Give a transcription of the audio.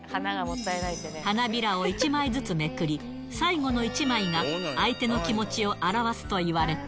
花びらを１枚ずつめくり、最後の１枚が相手の気持ちを表すといわれた。